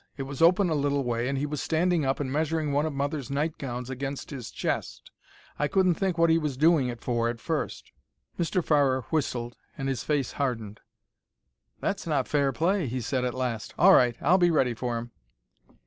"It was open a little way, and he was standing up and measuring one of mother's nightgowns against his chest. I couldn't think what he was doing it for at first." Mr. Farrer whistled and his face hardened. "That's not fair play," he said at last. "All right; I'll be ready for him."